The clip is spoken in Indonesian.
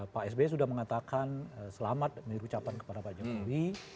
pak sby sudah mengatakan selamat mengucapkan kepada pak jokowi